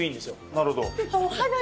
なるほど。